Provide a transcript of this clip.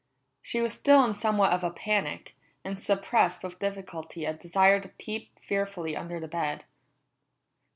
She was still in somewhat of a panic, and suppressed with difficulty a desire to peep fearfully under the bed.